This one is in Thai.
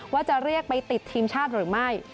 ว่าจะเรียกไปติดทีมชาติหรือไม่